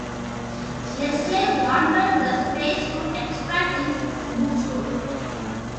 Lesley wanted the space to expand its bookstore.